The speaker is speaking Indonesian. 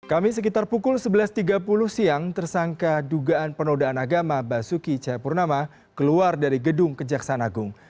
kami sekitar pukul sebelas tiga puluh siang tersangka dugaan penodaan agama basuki cahayapurnama keluar dari gedung kejaksaan agung